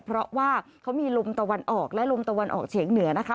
เพราะว่าเขามีลมตะวันออกและลมตะวันออกเฉียงเหนือนะคะ